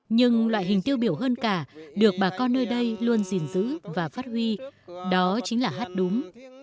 nhưng loại hình tiêu biểu hơn cả được bà con nơi đây luôn gìn giữ và phát huy đó chính là hát đúng